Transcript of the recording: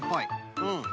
うん。